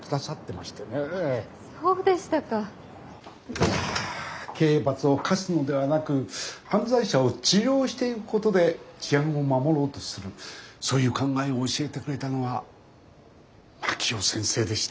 いや刑罰を科すのではなく犯罪者を治療していくことで治安を守ろうとするそういう考えを教えてくれたのは真樹夫先生でした。